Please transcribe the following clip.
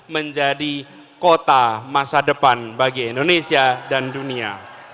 menjadi kota masa depan bagi indonesia dan dunia